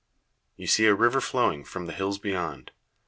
] You see a river flowing from the hills beyond.